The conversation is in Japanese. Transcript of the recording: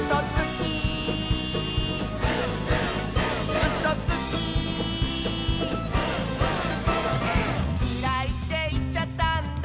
「きらいっていっちゃったんだ」